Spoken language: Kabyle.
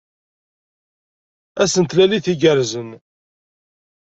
Ass n tlalit igerrzen.